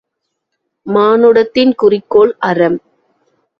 மானுடத்தின் குறிக்கோள் அறம்.